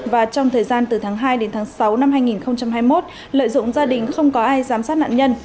và trong thời gian từ tháng hai đến tháng sáu năm hai nghìn hai mươi một lợi dụng gia đình không có ai giám sát nạn nhân